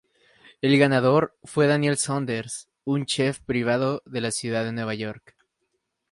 El ganador fue Danielle Saunders, un chef privado de la ciudad de Nueva York.